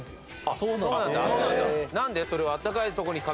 そうなんだ。